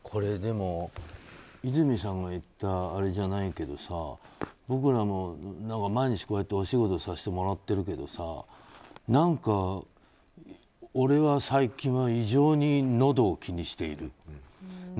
でも、和泉さんが言ったあれじゃないけどさ僕らも毎日こうやってお仕事させてもらっているけど何か俺は最近は異常にのどを気にしている。